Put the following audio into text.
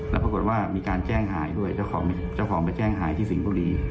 แล้วปรากฏว่ามีการแจ้งหายด้วยเจ้าของเจ้าของไปแจ้งหายที่สิงห์บุรี